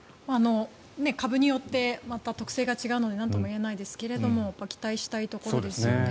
株によってまた特性が違うので何とも言えないですが期待したいところですよね。